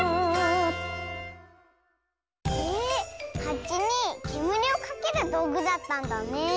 へえハチにけむりをかけるどうぐだったんだね。